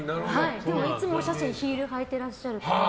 いつもお写真ヒール履いていらっしゃるから。